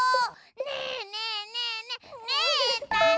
ねえねえねえねえねえったら！